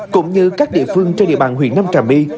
cũng như các địa phương trên địa bàn huyện nam trà my